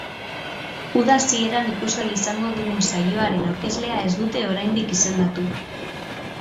Uda hasieran ikusgai izango dugun saioaren aurkezlea ez dute oraindik izendatu.